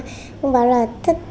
cũng bảo là thích